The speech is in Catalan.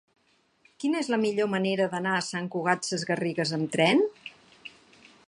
Quina és la millor manera d'anar a Sant Cugat Sesgarrigues amb tren?